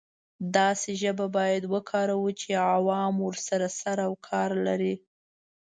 داسې ژبه باید وکاروو چې عوام ورسره سر او کار لري.